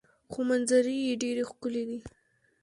خو منظرې یې ډیرې ښکلې دي.